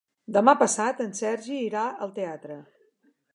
Demà passat en Sergi irà al teatre.